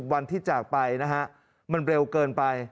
วันที่จากไปนะฮะมันเร็วเกินไป